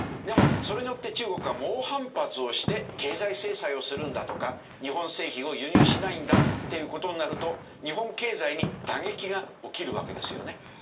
でもそれによって中国が猛反発をして経済制裁をするんだとか日本製品を輸入しないんだっていう事になると日本経済に打撃が起きるわけですよね。